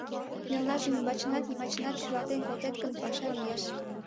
Мелнажым ӱмбачынат, йымачынат шӱралтен колтет гын, паша лиеш...